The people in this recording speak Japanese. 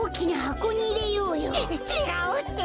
ちちがうって！